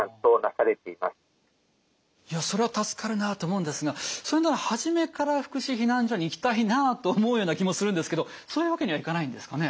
いやそれは助かるなと思うんですがそれなら初めから福祉避難所に行きたいなと思うような気もするんですけどそういうわけにはいかないんですかね？